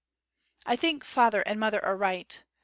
I think father and mother are right.